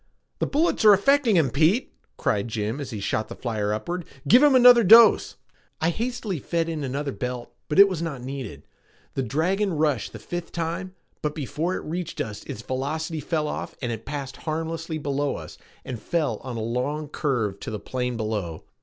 "The bullets are affecting him, Pete!" cried Jim as he shot the flyer upward. "Give him another dose!" I hastily fed in another belt, but it was not needed. The dragon rushed the fifth time, but before it reached us its velocity fell off and it passed harmlessly below us and fell on a long curve to the plain below.